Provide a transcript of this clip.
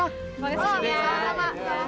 terima kasih dek